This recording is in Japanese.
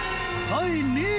第２位